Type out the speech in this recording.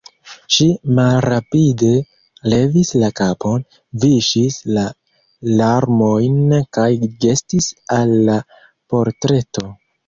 Ŝi malrapide levis la kapon, viŝis la larmojn kaj gestis al la portreto.